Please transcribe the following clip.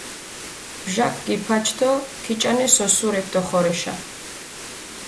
ბჟაქ გიფაჩ დო ქიჭანეს ოსურეფი დოხორეშა.